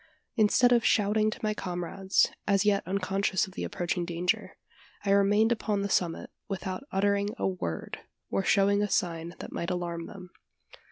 Instead of shouting to my comrades as yet unconscious of the approaching danger I remained upon the summit without uttering a word, or showing a sign that might alarm them.